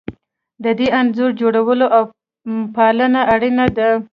د دې انځور جوړول او پالنه اړینه ده.